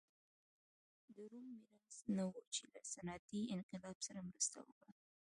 د روم میراث نه و چې له صنعتي انقلاب سره مرسته وکړه.